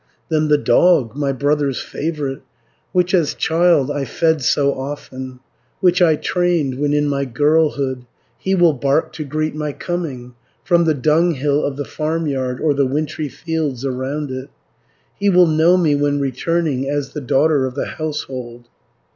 "Then the dog, my brother's favourite Which as child I fed so often, 430 Which I trained when in my girlhood, He will bark to greet my coming, From the dunghill of the farmyard, Or the wintry fields around it; He will know me, when returning, As the daughter of the household.